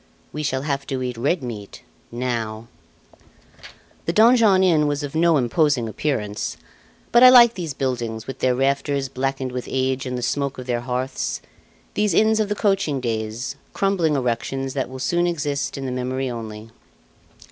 "We Shall Have to Eat Red Meat Now" The Donjon Inn was of no imposing appearance; but I like these buildings with their rafters blackened with age and the smoke of their hearths these inns of the coaching days, crumbling erections that will soon exist in the memory only.